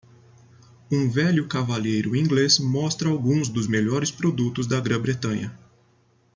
Um velho cavalheiro inglês mostra alguns dos melhores produtos da Grã-Bretanha.